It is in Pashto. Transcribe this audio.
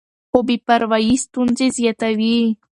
خو بې پروايي ستونزې زیاتوي.